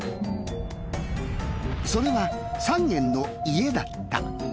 それは３軒の家だった。